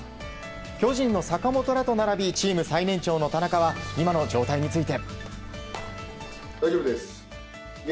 巨人の坂本らと並びチーム最年長の田中は今の状態について。